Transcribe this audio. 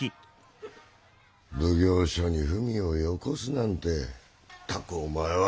奉行所に文をよこすなんてまったくお前は。